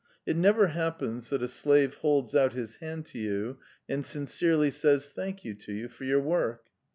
It never happens that a slave holds out his hand to you and sincerely says 'Thank you' to you for your work."